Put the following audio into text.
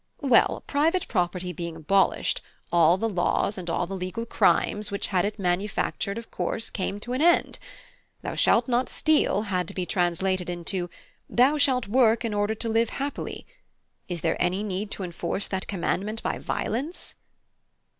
Well, private property being abolished, all the laws and all the legal 'crimes' which it had manufactured of course came to an end. Thou shalt not steal, had to be translated into, Thou shalt work in order to live happily. Is there any need to enforce that commandment by violence?"